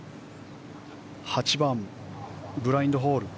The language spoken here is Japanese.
８番、ブラインドホール。